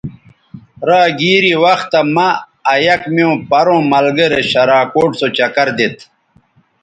را گیری وختہ مہ آ یک میوں پروں ملگرے شراکوٹ سو چکر دیتھ